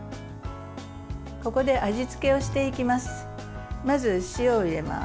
ここで味付けをしていきます。